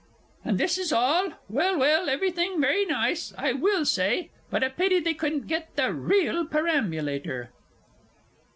And this is all? Well, well, everything very nice, I will say. But a pity they couldn't get the real perambulator!